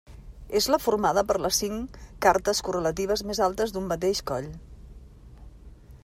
És la formada per les cinc cartes correlatives més altes d'un mateix coll.